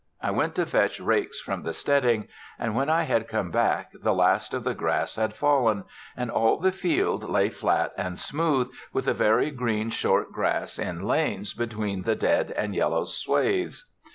I went to fetch rakes from the steading; and when I had come back the last of the grass had fallen, and all the field lay flat and smooth, with the very green short grass in lanes between the dead and yellow swathes.